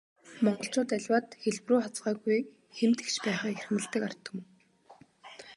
Монголчууд аливаад хэлбэрүү хазгайгүй, хэм тэгш байхыг эрхэмлэдэг ард түмэн.